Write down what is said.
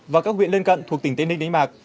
và các huyện lân cận thuộc tỉnh tây ninh đánh bạc